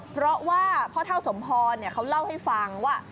เพราะว่าพ่อเท่าสมพรเขาเล่าให้ฟังว่า